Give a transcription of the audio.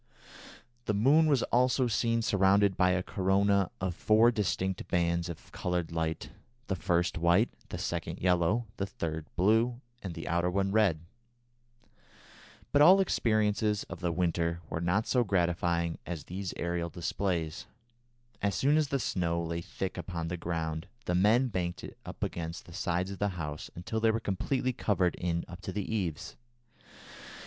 The moon was also seen surrounded by a corona of four distinct bands of coloured light, the first white, the second yellow, the third blue, and the outer one red. But all the experiences of the winter were not so gratifying as these aerial displays. As soon as the snow lay thick on the ground the men banked it up against the sides of the house until they were completely covered in up to the eaves.